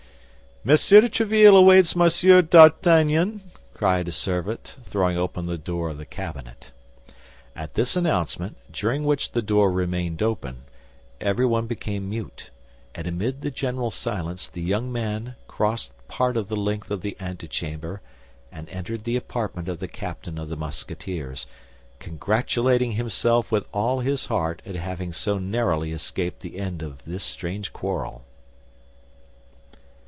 "Monsieur de Tréville awaits Monsieur d'Artagnan," cried a servant, throwing open the door of the cabinet. At this announcement, during which the door remained open, everyone became mute, and amid the general silence the young man crossed part of the length of the antechamber, and entered the apartment of the captain of the Musketeers, congratulating himself with all his heart at having so narrowly escaped the end of this strange quarrel.